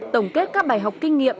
tổng kết các bài học kinh nghiệm